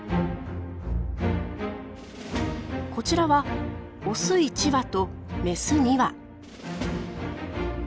こちらはオス１羽とメス２羽。